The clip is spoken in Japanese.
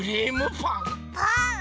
パン？